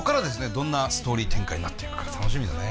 どんなストーリー展開になっていくか楽しみだね。